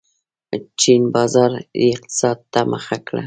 چین بازاري اقتصاد ته مخه کړه.